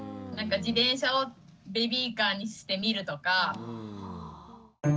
自転車をベビーカーにしてみるとか。